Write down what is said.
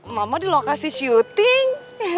mama di lokasi syuting